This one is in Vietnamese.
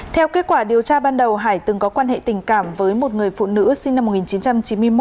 theo kết quả điều tra ban đầu hải từng có quan hệ tình cảm với một người phụ nữ sinh năm một nghìn chín trăm chín mươi một